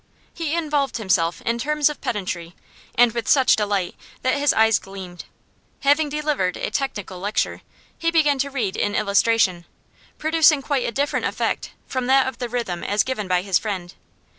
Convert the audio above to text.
He involved himself in terms of pedantry, and with such delight that his eyes gleamed. Having delivered a technical lecture, he began to read in illustration, producing quite a different effect from that of the rhythm as given by his friend.